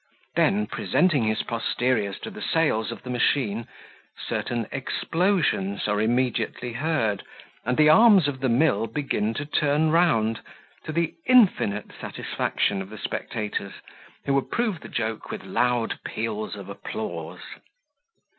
Then presenting his posteriors to the sails of the machine, certain explosions are immediately heard, and the arms of the mill begin to turn round, to the infinite satisfaction of the spectators, who approve the joke with loud peals of applause.